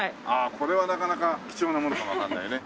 これはなかなか貴重なものかもわかんないね。